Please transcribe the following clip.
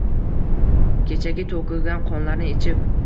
Kechagi to’kilgan qonlarni ichib